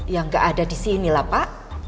yang gak ada disini lah pak